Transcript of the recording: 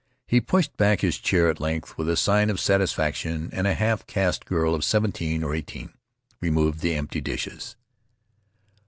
He pushed back his chair at length, with a sign of satisfaction, and a half caste girl of seventeen or eighteen removed the empty dishes.